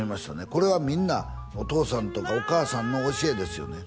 これはみんなお父さんとかお母さんの教えですよね